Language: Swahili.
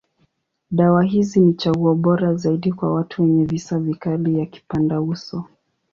Dawa hizi ni chaguo bora zaidi kwa watu wenye visa vikali ya kipandauso.